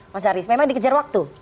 mas haris memang dikejar waktu